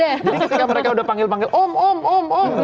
jadi ketika mereka udah panggil panggil om om om om